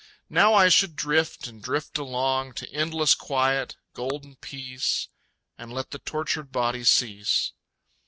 Now I should drift and drift along To endless quiet, golden peace... And let the tortured body cease.